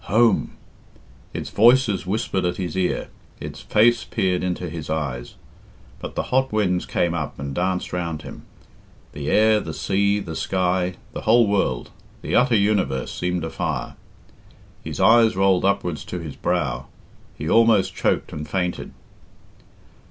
Home! Its voices whispered at his ear, its face peered into his eyes. But the hot winds came up and danced round him; the air, the sea, the sky, the whole world, the utter universe seemed afire; his eyes rolled upwards to his brow; he almost choked and fainted.